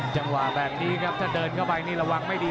จังหวะแบบนี้ครับถ้าเดินเข้าไปนี่ระวังไม่ดี